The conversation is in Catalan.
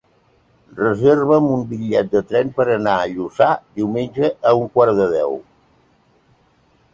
Reserva'm un bitllet de tren per anar a Lluçà diumenge a un quart de deu.